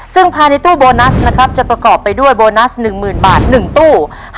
ซึ่งภายในตู้โบนัสนะครับจะประกอบไปด้วยโบนัส๑๐๐๐บาท๑ตู้